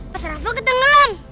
pas rafa ketenggelam